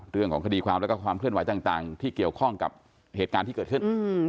เรื่องของคดีความแล้วก็ความเคลื่อนไหวต่างที่เกี่ยวข้องกับเหตุการณ์ที่เกิดขึ้น